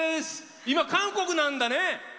今韓国なんだね。